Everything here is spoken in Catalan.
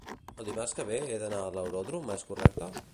El dimarts que ve he d'anar a l'aeròdrom és correcte?